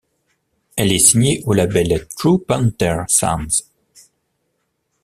Elle est signée au label True Panther Sounds.